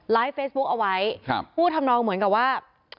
เฟซบุ๊กเอาไว้พูดทำนองเหมือนกับว่า